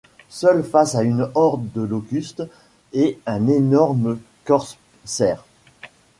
Seul face à une horde de Locustes et un énorme Corpser.